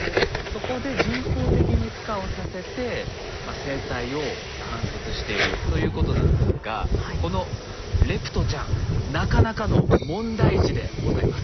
そこで人工的にふ化をさせて生態を観察しているということなんですがこのレプトちゃんなかなかの問題児でございます。